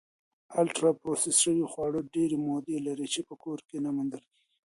الټرا پروسس شوي خواړه ډېری مواد لري چې په کور کې نه موندل کېږي.